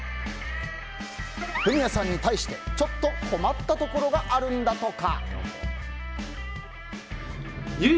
フミヤさんに対してちょっと困ったところがあるんだとか。